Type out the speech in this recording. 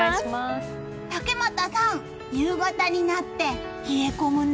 竹俣さん、夕方になって冷え込むね。